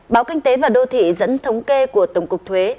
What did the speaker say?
báo kinh tế và đô thị dẫn thống kê của tổng cục thuế